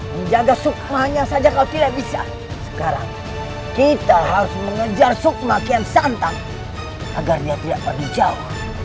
menjaga sukmanya saja kau tidak bisa sekarang kita harus mengejar sukma kian santan agar dia tidak pergi jauh